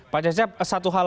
pak jajab satu hal lagi